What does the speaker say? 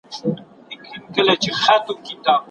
ما خپله د وینې فشار اندازه کړ.